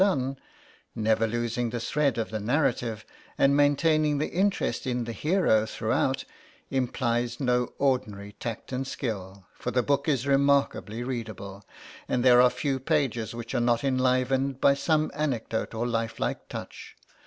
} done, never losing the thread of the narrative, and maintaining the interest in the hero throughout, implies no ordinary tact and skill; for the book is remarkably readable, and there are few pages which are not enlivened by some anecdote or lifelike touch.